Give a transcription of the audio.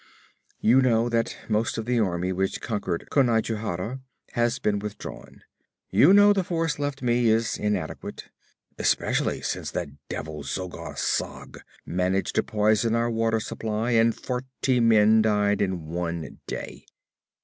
'You know that most of the army which conquered Conajohara has been withdrawn. You know the force left me is inadequate, especially since that devil Zogar Sag managed to poison our water supply, and forty men died in one day.